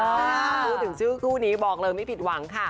พูดถึงชื่อคู่นี้บอกเลยไม่ผิดหวังค่ะ